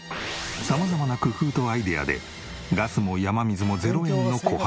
様々な工夫とアイデアでガスも山水も０円の小濱ファミリー。